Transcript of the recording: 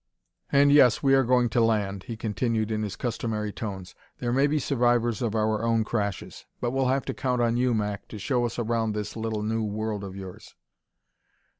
"And, yes, we are going to land," he continued in his customary tones; "there may be survivors of our own crashes. But we'll have to count on you, Mac, to show us around this little new world of yours."